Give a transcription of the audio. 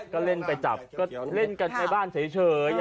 ก็เล่นไปจับก็เล่นกันในบ้านเฉย